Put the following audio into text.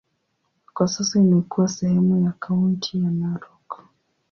Kwa sasa imekuwa sehemu ya kaunti ya Narok.